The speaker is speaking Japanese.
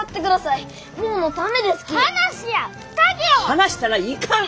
離したらいかん！